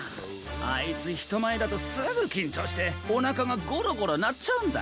あいつひとまえだとすぐきんちょうしておなかがゴロゴロなっちゃうんだ。